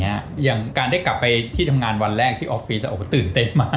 อย่างการได้กลับไปที่ทำงานวันแรกที่ออฟฟิศจะออกมาตื่นเต้นมาก